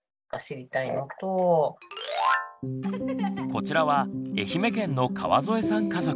こちらは愛媛県の川添さん家族。